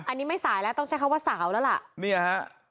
อันนี้ไม่สายแล้วต้องใช้คำว่าสาวแล้วล่ะเนี่ยฮะ